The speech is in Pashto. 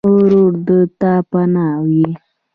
ورور د تا پناه وي.